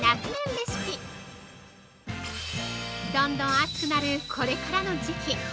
レシピどんどん暑くなるこれからの時期。